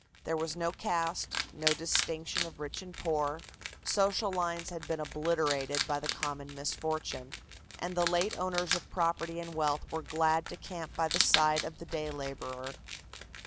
There was no caste, no distinction of rich and poor, social lines had been obliterated by the common misfortune, and the late owners of property and wealth were glad to camp by the side of the day laborer.